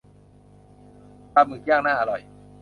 ปลาหมึกย่างน่าอร่อย